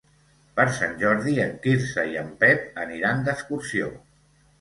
Per Sant Jordi en Quirze i en Pep aniran d'excursió.